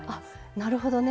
なるほどね。